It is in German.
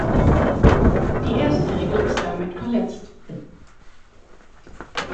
Die erste Regel ist damit verletzt.